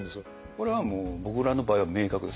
これはもう僕らの場合は明確です。